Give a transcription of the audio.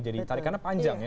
jadi tarikannya panjang ya